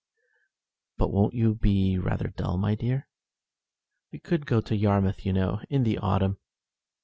"But won't you be rather dull, my dear?" "We could go to Yarmouth, you know, in the autumn."